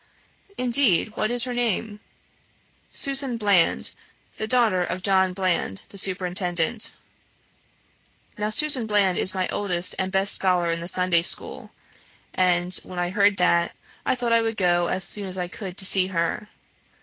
'Indeed; what is her name?' 'Susan Bland, the daughter of John Bland, the superintendent.' Now Susan Bland is my oldest and best scholar in the Sunday school; and, when I heard that, I thought I would go as soon as I could to see her.